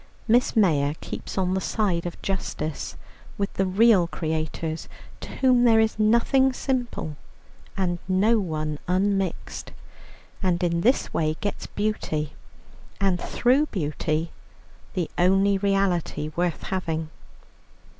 Miss Mayor keeps on the side of justice, with the real creators, to whom there is nothing simple and no one unmixed, and in this way gets beauty, and through beauty the only reality worth having.